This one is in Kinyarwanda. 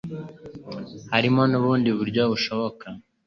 Hariho nubundi buryo bushoboka.